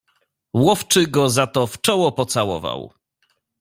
"Łowczy go za to w czoło pocałował."